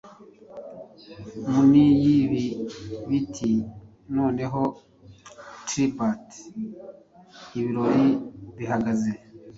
Muni yibi biti noneho tripd, ibirori bihagaze